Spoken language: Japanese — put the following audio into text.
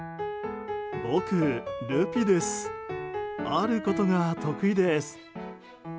あることが得意です。